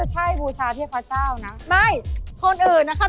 เฮ้ยหูเขาดีเวลามันเดือดอะคะ